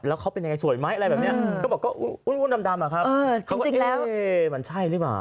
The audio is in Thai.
แล้วเขาเป็นยังไงสวยไหมอะไรแบบนี้ก็บอกก็อุ้ยดำอะครับเขาก็เอ๊ะมันใช่หรือเปล่า